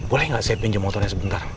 boleh nggak saya pinjam motornya sebentar